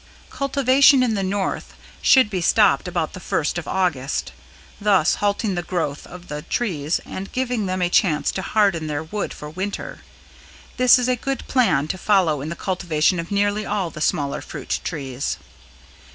Cultivation in the North should be stopped about the first of August, thus halting the growth of the trees and giving them a chance to harden their wood for Winter. This is a good plan to follow in the cultivation of nearly all the smaller fruit trees.